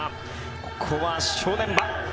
ここは正念場。